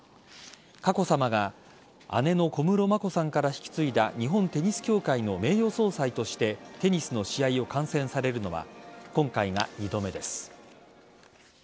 佳子さまが姉の小室眞子さんから引き継いだ日本テニス協会の名誉総裁としてテニスの試合を観戦されるのは今回が２度目です。